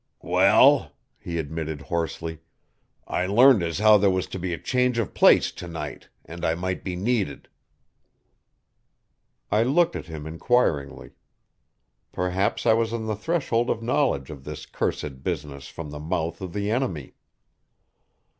"Well," he admitted hoarsely, "I learned as how there was to be a change of place to night, and I might be needed." I looked at him inquiringly. Perhaps I was on the threshold of knowledge of this cursed business from the mouth of the enemy.